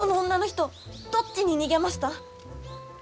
その女の人どっちに逃げました？